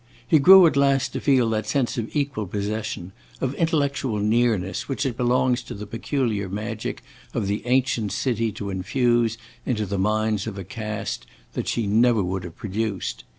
He grew at last to feel that sense of equal possession, of intellectual nearness, which it belongs to the peculiar magic of the ancient city to infuse into minds of a cast that she never would have produced.